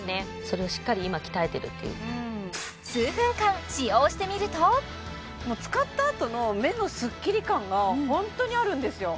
それをしっかり今鍛えてるっていう数分間使用してみるともう使ったあとの目のスッキリ感がホントにあるんですよ